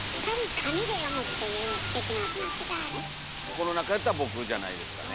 この中やったら僕じゃないですかね。